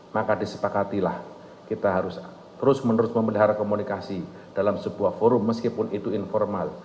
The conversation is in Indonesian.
maka disepakatilah kita harus terus menerus memelihara komunikasi dalam sebuah forum meskipun itu informal